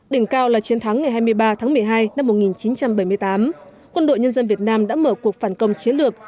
đỉnh cao là chiến thắng ngày hai mươi ba tháng một mươi hai năm một nghìn chín trăm bảy mươi tám quân đội nhân dân việt nam đã mở cuộc phản công chiến lược